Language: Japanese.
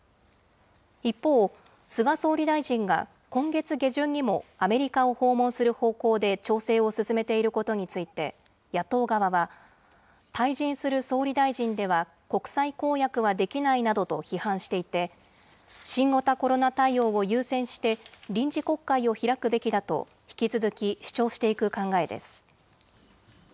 一方、菅総理大臣が今月下旬にもアメリカを訪問する方向で調整を進めていることについて、野党側は、退陣する総理大臣では国際公約はできないなどと批判していて、新型コロナ対応を優先して、臨時国会を開くべきだと、引き続き主張していく考えです。